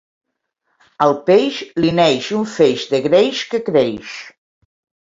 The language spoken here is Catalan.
Al peix li neix un feix de greix que creix.